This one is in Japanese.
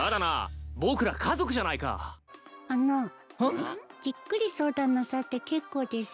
じっくり相談なさって結構ですよ。